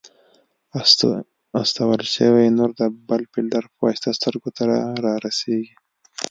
استول شوی نور د بل فلټر په واسطه سترګو ته رارسیږي.